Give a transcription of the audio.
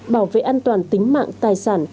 bảo vệ an toàn tính mạng tài sản